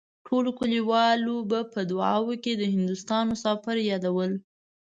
ټولو کليوالو به په دعاوو کې د هندوستان مسافر يادول.